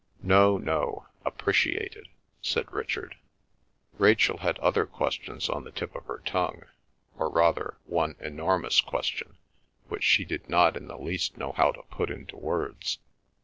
"No, no. Appreciated," said Richard. Rachel had other questions on the tip of her tongue; or rather one enormous question, which she did not in the least know how to put into words.